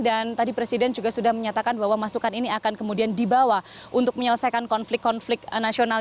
dan tadi presiden juga sudah menyatakan bahwa masukan ini akan kemudian dibawa untuk menyelesaikan konflik konflik nasional